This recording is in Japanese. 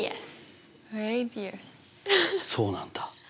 そうなんだ。